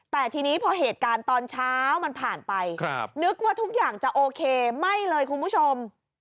แต่ทีนี้พอเหตุการณ์ตอนเช้ามันผ่านไปนึกว่าทุกอย่างจะโอเคไม่เลยคุณผู้ชม